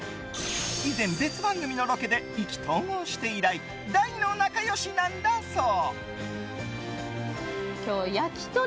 以前、別番組のロケで意気投合して以来大の仲良しなんだそう。